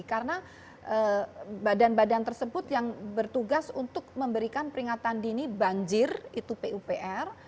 karena badan badan tersebut yang bertugas untuk memberikan peringatan dini banjir itu pupr